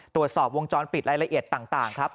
ตรวจสอบวงจรปิดรายละเอียดต่างครับ